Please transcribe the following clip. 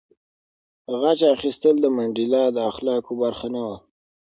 غچ اخیستل د منډېلا د اخلاقو برخه نه وه.